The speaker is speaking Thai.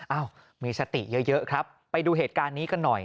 เอ้ามีสติเยอะครับไปดูเหตุการณ์นี้กันหน่อย